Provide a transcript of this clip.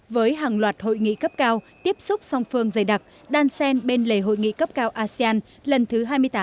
với hàng loạt hội nghị cấp cao tiếp xúc song phương dày đặc đan sen bên lề hội nghị cấp cao asean lần thứ hai mươi tám